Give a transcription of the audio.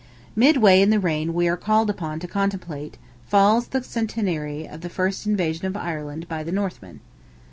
Midway in the reign we are called upon to contemplate, falls the centenary of the first invasion of Ireland by the Northmen.